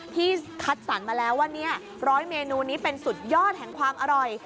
ที่คัดสรรมาแล้วว่า๑๐๐เมนูนี้เป็นสุดยอดแห่งความอร่อย